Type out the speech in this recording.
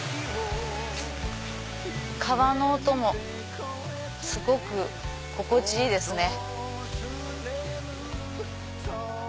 川の音もすごく心地いいですね。